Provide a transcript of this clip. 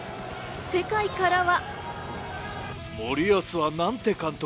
世界からは。